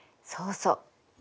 そうそう。